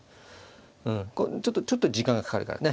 うんこれちょっとちょっと時間がかかるからね。